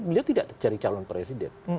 beliau tidak jadi calon presiden